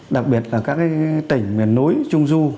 đặc biệt là các tỉnh miền núi trung du